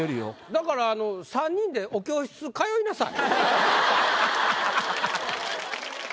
だからあの三人でお教室通いなさい。